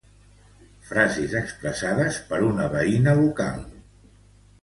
Frases expressades per una veïna local.